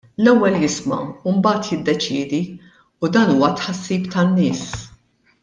L-ewwel jisma' u mbagħad jiddeċiedi, u dan huwa tħassib tan-nies.